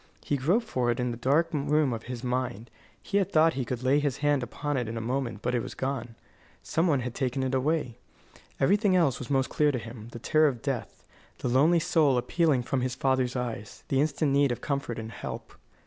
He groped for it in the dark room of his mind. He had thought he could lay his hand upon it in a moment, but it was gone. Some one had taken it away. Everything else was most clear to him: the terror of death; the lonely soul appealing from his father's eyes; the instant need of comfort and help.